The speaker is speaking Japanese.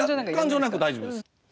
感情なくて大丈夫です。